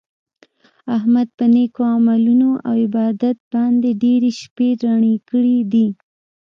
احمد په نېکو عملونو او عبادت باندې ډېرې شپې رڼې کړي دي.